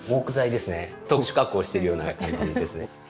特殊加工をしているような感じですね。